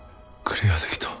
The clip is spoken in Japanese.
クリアできた。